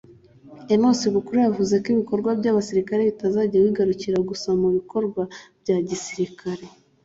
Enos Bukuku yavuze ko ibikorwa by’abasirikare bitazajya bigarukira gusa mu bikorwa bya gisirikare